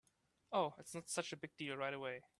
Oh, it’s not such a big deal right away.